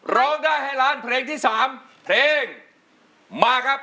ร้องได้ให้ล้านเพลงที่๓เพลงมาครับ